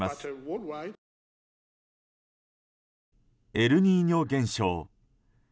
エルニーニョ現象。